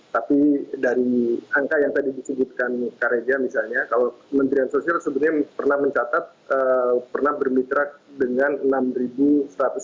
tapi dari angka yang tadi disebutkan karya dia misalnya kalau kementerian sosial sebenarnya pernah mencatat pernah bermitra dengan enam seratus panti